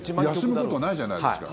休むことないじゃないですか。